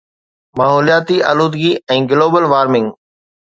ماحولياتي آلودگي ۽ global warming